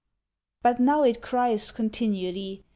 But now it cries continually.